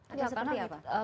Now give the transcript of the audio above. atau seperti apa